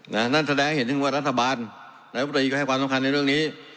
นั่นแสดงเห็นถึงว่ารัฐบาลนายมตรีก็ให้ความสำคัญในเรื่องนี้